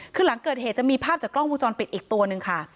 คือหลังเกิดเหตุจะมีภาพจากกล้องวงจรปิดอีกตัวนึงค่ะ